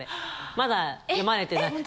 まだ読まれてなくて。